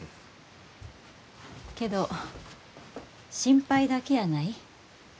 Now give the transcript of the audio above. けど心配だけやない。